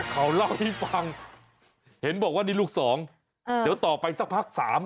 เขาเล่าให้ฟังเห็นบอกว่านี่ลูกสองเดี๋ยวต่อไปสักพักสาม